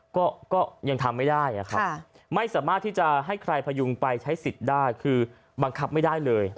ก็ยังทำไม่ได้ครับไม่สามารถที่จะให้ใครพยุงไปใช้สิทธิ์ได้คือบังคับไม่ได้เลย